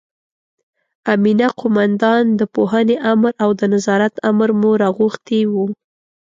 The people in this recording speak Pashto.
امینه قوماندان، د پوهنې امر او د نظارت امر مو راغوښتي وو.